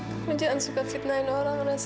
kamu jangan suka fitnahin orang res